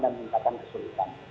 dan misalkan kesulitan